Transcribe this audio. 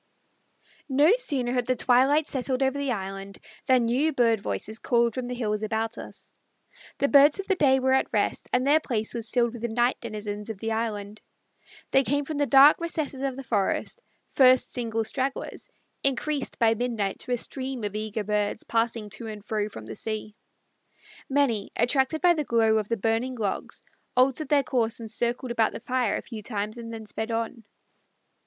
No sooner had the twilight settled over the island than new bird voices called from the hills about us. The birds of the day were at rest, and their place was filled with the night denizens of the island. They came from the dark recesses of the forests, first single stragglers, increased by midnight to a stream of eager birds, passing to and fro from the sea. Many, attracted by the glow of the burning logs, altered their course and circled about the fire a few times and then sped on.